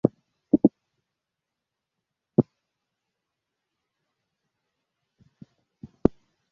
Imbwa yizuru ya greyhound yambaye umuhondo numukara iriruka munzira